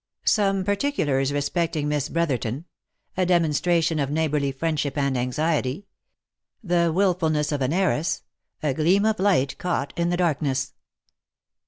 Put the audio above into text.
SOME PARTICULARS RESPECTING MISS BROTHERTON A DEMON STRATION OF NEIGHBOURLY FRIENDSHIP AND ANXIETY THE WILFULNESS OF AN HEIRESS— A GLEAM OF LIGHT CAUGHT IN THE DARKNESS.